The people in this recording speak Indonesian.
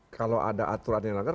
kalau ada aturan yang dilakukan